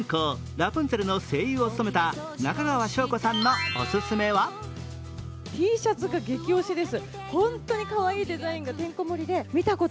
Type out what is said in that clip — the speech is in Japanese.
ラプンツェルの声優を務めた中川翔子さんのオススメは続いてはお天気です。